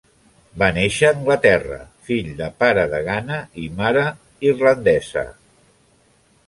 Va néixer a Anglaterra, fill de pare de Ghana i mare irlandesa.